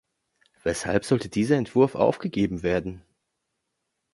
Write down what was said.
Weshalb sollte dieser Entwurf aufgegeben werden?